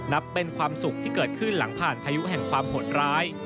นับเป็นความสุขที่เกิดขึ้นหลังผ่านพายุแห่งความโหดร้าย